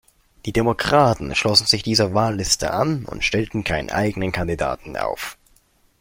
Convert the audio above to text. Die Demokraten schlossen sich dieser Wahlliste an und stellten keinen eigenen Kandidaten auf.